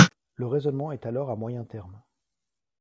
Le raisonnement est alors à moyen terme.